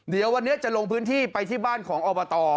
เดี๋ยววันนี้จะลงพื้นที่ไปที่บ้านของอบต